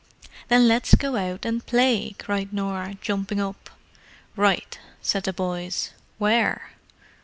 "Then let's go out and play," cried Norah, jumping up. "Right!" said the boys. "Where?"